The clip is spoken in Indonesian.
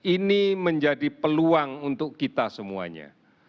ini menjadi peluang untuk kita semuanya